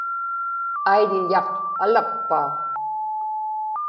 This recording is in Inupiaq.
aiḷḷaq alappaa